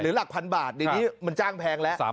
หรือหลัก๑๐๐๐บาทในที่มันจ้างแพงแล้ว